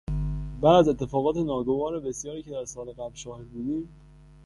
. بعد از اتفاقات ناگوار بسیاری که در سال قبل شاهد بودیم،